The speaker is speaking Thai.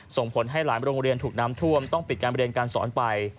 ส่งผลให้หลายโรงเรียนถูกน้ำท่วมต้องปิดการเรียนการสอนไป